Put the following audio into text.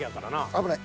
危ない。